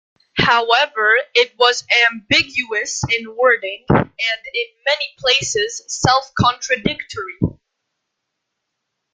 However, it was ambiguous in wording, and in many places self-contradictory.